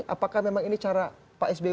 apakah memang ini cara pak sby